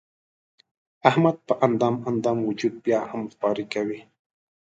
احمد په اندام اندام وجود بیا هم خواري کوي.